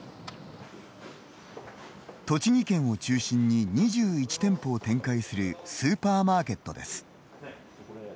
栃木県を中心に２１店舗を展開するスーパーマーケットです。